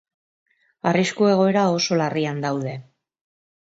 Arrisku egoera oso larrian daude.